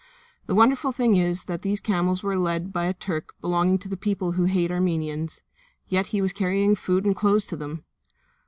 The wonderful thing is that these camels were led by a Turk belonging to the people who hate the Armenians, yet he was carrying food and clothes to them!